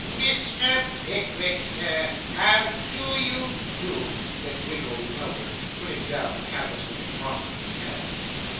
'Mr. Pickwick, sir, how do you do?' said Winkle the elder, putting down the candlestick and proffering his hand.